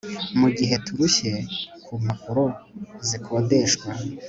mugihe turushye ku mpapuro zikodeshwa